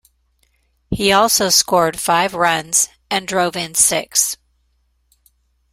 He also scored five runs and drove in six.